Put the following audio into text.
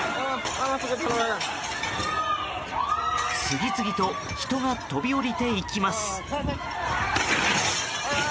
次々と人が飛び降りていきます。